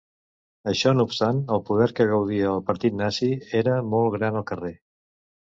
Això no obstant, el poder que gaudia el partit nazi era molt gran al carrer.